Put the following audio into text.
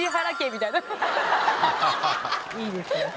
いいですね。